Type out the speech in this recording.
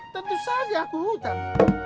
tentu saja aku hutan